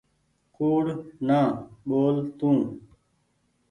ڪوڙ نآ ٻول تو۔